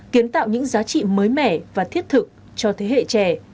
kiến tạo những giá trị mới mẻ và thiết thực cho thế hệ trẻ